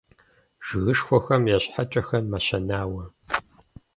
Жыгышхуэхэм я щхьэкӀэхэр мэщэнауэ.